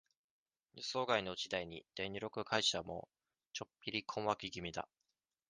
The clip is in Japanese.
予想外の事態に、電力会社も、ちょっぴり困惑気味だ。